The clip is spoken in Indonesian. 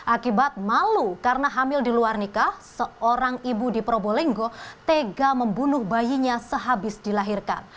akibat malu karena hamil di luar nikah seorang ibu di probolinggo tega membunuh bayinya sehabis dilahirkan